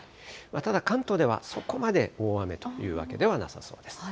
ただ、関東ではそこまで大雨というわけではなさそうです。